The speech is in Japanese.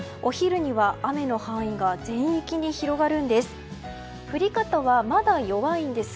お昼には雨の範囲が全域に広がるんです。